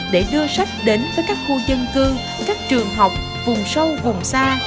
để đưa sách đến với các khu dân cư các trường học vùng sâu vùng xa